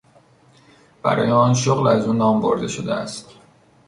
برای آن شغل از او نام برده شده است.